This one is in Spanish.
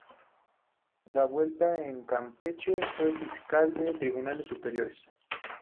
De vuelta en Campeche, fue fiscal de los Tribunales Superiores.